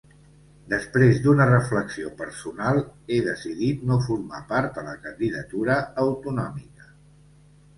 Després d’una reflexió personal he decidit no formar part de la candidatura autonòmica.